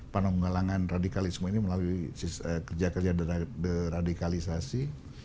panonggalangan radikalisme ini melalui kerja kerja deradikalisasi